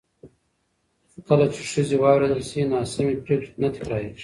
کله چې ښځې واورېدل شي، ناسمې پرېکړې نه تکرارېږي.